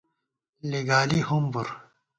لِگالی ہُمبُر